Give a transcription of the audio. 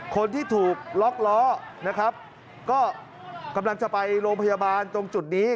คนที่ถูกล็อกล้อนะครับก็กำลังจะไปโรงพยาบาลตรงจุดนี้